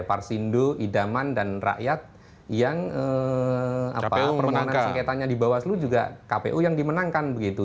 parsindo idaman dan rakyat yang permohonan sengketanya di bawaslu juga kpu yang dimenangkan begitu